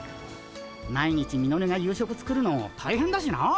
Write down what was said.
毎日ミノルが夕食作るの大変だしな。